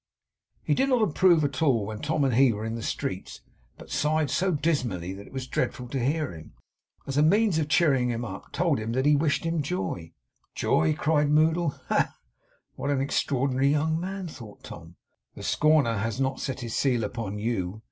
He did not improve at all when Tom and he were in the streets, but sighed so dismally that it was dreadful to hear him. As a means of cheering him up, Tom told him that he wished him joy. 'Joy!' cried Moddle. 'Ha, ha!' 'What an extraordinary young man!' thought Tom. 'The Scorner has not set his seal upon you.